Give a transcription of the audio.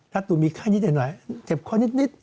ถ้าตูนมีไข้นิดหน่อยเจ็บคอนิด